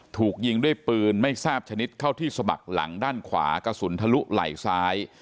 ถูกยิงด้วยปืนไม่ทราบชนิดเข้าที่สมัครหลังด้านขวากระสุนทะลุไหล่ซ้าย